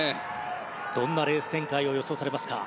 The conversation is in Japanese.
どんなレース展開を予想されますか？